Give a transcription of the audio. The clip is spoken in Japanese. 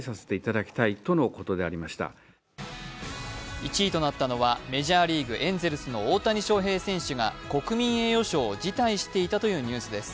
１位となったのはメジャーリーグ・エンゼルスの大谷翔平選手が国民栄誉賞を辞退していたというニュースです。